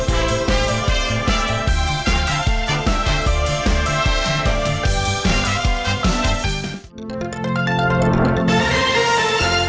โปรดติดตามตอนต่อไป